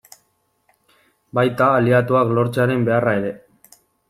Baita, aliatuak lortzearen beharra ere.